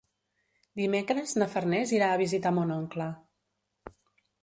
Dimecres na Farners irà a visitar mon oncle.